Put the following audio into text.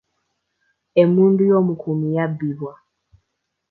Emmundu y'omukuumi yabbibwa.